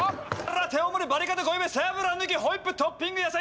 ラテ大盛りバリカタ濃いめ背脂抜きホイップトッピング野菜